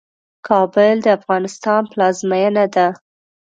کابل د افغانستان پلازمينه ده.